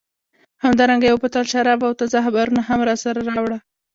همدارنګه یو بوتل شراب او تازه اخبارونه هم راسره راوړه.